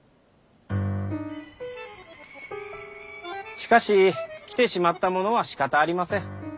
しかし来てしまったものはしかたありません。